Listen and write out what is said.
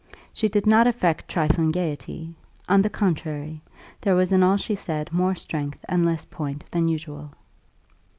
She did not affect trifling gaiety: on the contrary, there was in all she said more strength and less point than usual.